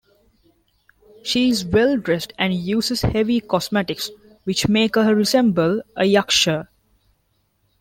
She is well dressed and uses heavy cosmetics, which make her resemble a yaksha.